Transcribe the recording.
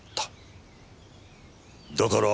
だから。